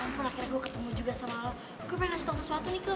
ya ampun akhirnya gue ketemu juga sama lo gue pengen kasih tau sesuatu nih ke lo